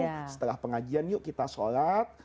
atau adalah pengajian yuk kita sholat